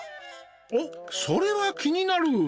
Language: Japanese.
おっそれは気になる。